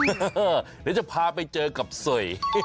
เดี๋ยวจะพาไปเจอกับเสย